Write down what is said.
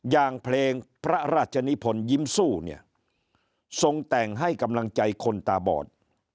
อย่างเพลงพระราชนิพลยิ้มสู้เนี่ยทรงแต่งให้กำลังใจคนตาบอด